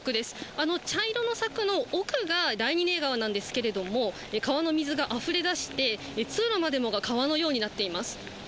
あの茶色の柵の奥が第二寝屋川なんですけれども、川の水があふれ出して、通路までもが川のようになっています。